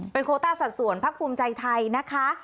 เป็นโค้ต้าสัดส่วนพรรคภูมิใจไทยนะคะ